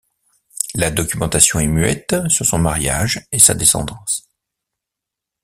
La documentation est muette sur son mariage et sa descendance.